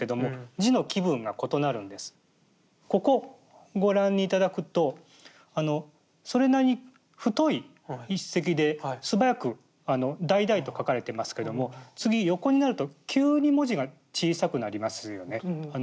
ここご覧頂くとあのそれなりに太い筆跡で素早く大大と書かれてますけども次横になると急に文字が小さくなりますよね。